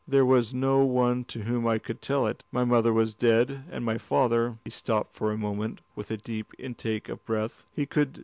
There was no one to whom I could tell it. My mother was dead, and my father " he stopped for a moment, with a deep intake of the breath.